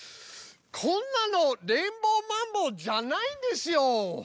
こんなのレインボーマンボウじゃないですよ！